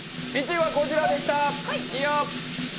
１位はこちらでした！